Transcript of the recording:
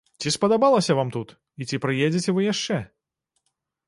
Ці спадабалася вам тут, і ці прыедзеце вы яшчэ?